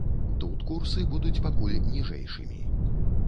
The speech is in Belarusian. Тут курсы будуць пакуль ніжэйшымі.